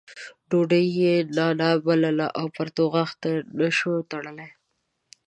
ډوډۍ یې نانا بلله او پرتوګاښ نه شوای تړلی.